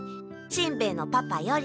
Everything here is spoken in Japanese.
しんべヱのパパより」。